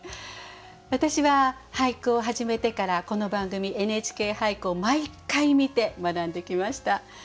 私は俳句を始めてからこの番組「ＮＨＫ俳句」を毎回見て学んできました。